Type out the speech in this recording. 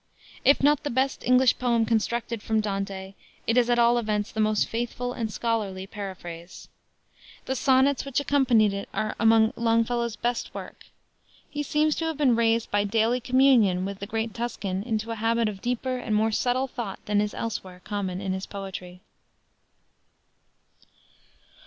If not the best English poem constructed from Dante, it is at all events the most faithful and scholarly paraphrase. The sonnets which accompanied it are among Longfellow's best work. He seems to have been raised by daily communion with the great Tuscan into a habit of deeper and more subtle thought than is elsewhere common in his poetry.